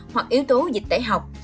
hoặc yếu tố dịch tẩy học